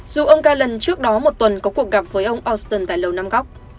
dù ông galen trước đó một tuần có cuộc gặp với ông austin tại lầu nam góc